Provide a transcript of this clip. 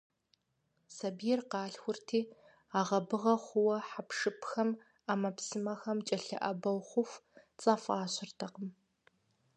Сабийр къалъхурти, агъэ-быгъэ хъууэ хьэпшыпхэм, Ӏэмэпсымэхэм кӀэлъыӀэбэф хъуху, цӀэ фӀащыртэкъым.